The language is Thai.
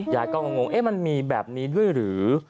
ยายก็งงมันมีแบบนี้ด้วยหรือ